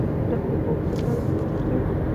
دښتې په اوږده تاریخ کې ذکر شوې.